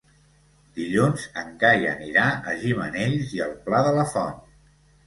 Dilluns en Cai anirà a Gimenells i el Pla de la Font.